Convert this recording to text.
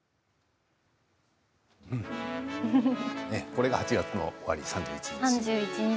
これが８月の終わり、３１日。